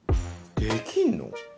できんの？